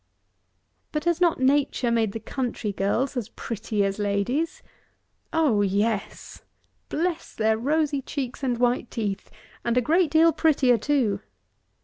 But has not Nature made the country girls as pretty as ladies? Oh, yes! (bless their rosy cheeks and white teeth!) and a great deal prettier too!